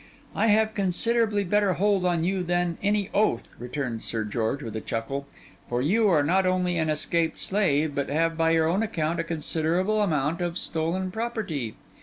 'I have considerably better hold on you than any oath,' returned Sir George, with a chuckle; 'for you are not only an escaped slave, but have, by your own account, a considerable amount of stolen property.